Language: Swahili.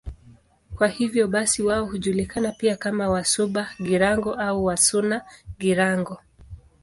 Kwa hiyo basi wao hujulikana pia kama Wasuba-Girango au Wasuna-Girango.